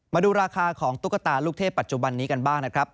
มาดูราคาของตุ๊กตาลูกเทพปัจจุบันนี้กันบ้างนะครับ